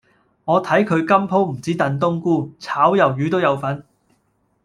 我睇佢今鋪唔止燉冬菇，炒魷魚都有份